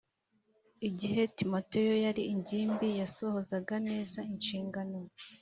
igihe Timoteyo yari ingimbi yasohozaga neza inshingano